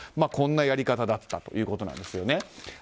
こんなやり方だったということなんです。